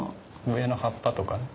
上の葉っぱとかね。